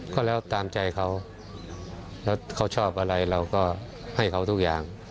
ก็แล้วตามใจเขาแล้วเขาชอบอะไรเราก็ให้เขาทุกอย่าง